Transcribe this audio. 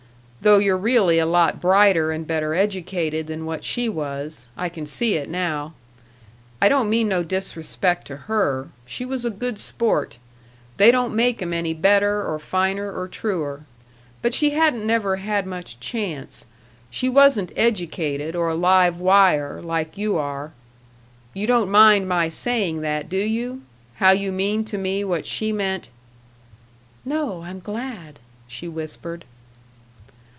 Though you're really a lot brighter and better educated than what she was I can see it now. I don't mean no disrespect to her; she was a good sport; they don't make 'em any better or finer or truer; but she hadn't never had much chance; she wasn't educated or a live wire, like you are.... You don't mind my saying that, do you? How you mean to me what she meant " "No, I'm glad " she whispered.